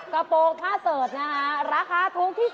กระโปรงผ้าเสิร์ชนะคะราคาถูกที่สุด